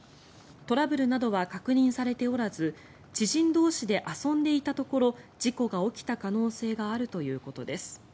トラブルなどは確認されておらず知人同士で遊んでいたところ事故が起きた可能性があるということです。